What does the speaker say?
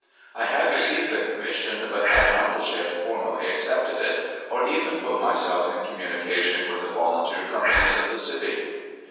I had received the commission, but had not as yet formally accepted it, or even put myself in communication with the volunteer companies of the city.